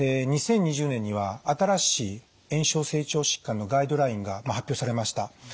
で２０２０年には新しい炎症性腸疾患のガイドラインが発表されました。